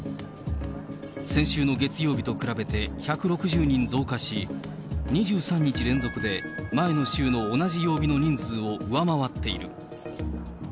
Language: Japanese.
先週の月曜日と比べて１６０人増加し、２３日連続で、前の週の同じ曜日の人数を上回っている。